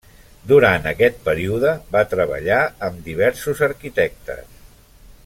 Durant aquest període, va treballar amb diversos arquitectes.